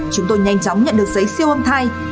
chúng tôi nhanh chóng nhận được giấy siêu âm thai